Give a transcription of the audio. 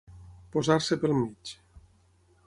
Posar-se pel mig.